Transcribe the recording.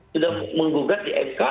sudah menggugat di mk